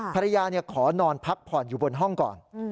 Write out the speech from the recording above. ขอนอนพักผ่อนอยู่บนห้องก่อน